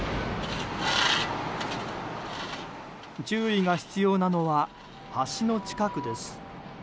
注意が必要なのは橋の近くです。